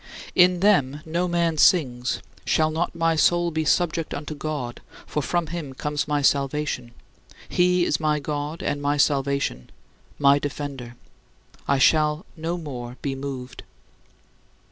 In them, no man sings: "Shall not my soul be subject unto God, for from him comes my salvation? He is my God and my salvation, my defender; I shall no more be moved."